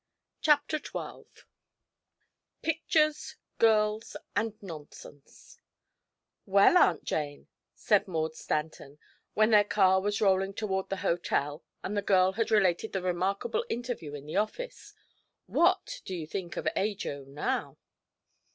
CHAPTER XII PICTURES, GIRLS AND NONSENSE "Well, Aunt Jane," said Maud Stanton, when their car was rolling toward the hotel and the girl had related the remarkable interview in the office, "what do you think of Ajo now?"